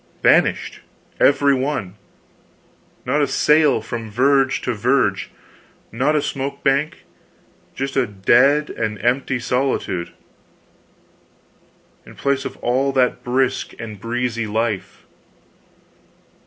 Vanished, every one! Not a sail, from verge to verge, not a smoke bank just a dead and empty solitude, in place of all that brisk and breezy life.